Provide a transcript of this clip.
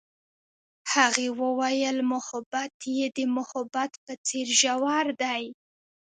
هغې وویل محبت یې د محبت په څېر ژور دی.